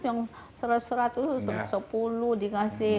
yang seratus seratus sepuluh dikasih